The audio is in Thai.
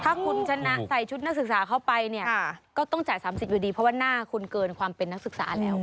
ถ้าคุณชนะใส่ชุดนักศึกษาเข้าไปเนี่ยก็ต้องจ่าย๓๐อยู่ดีเพราะว่าหน้าคุณเกินความเป็นนักศึกษาแล้ว